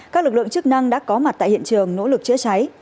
các lực lượng chức năng đã có mặt tại hiện trường nỗ lực chữa cháy